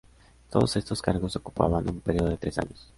Todos estos cargos ocupaban un periodo de tres años.